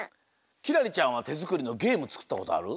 輝星ちゃんはてづくりのゲームつくったことある？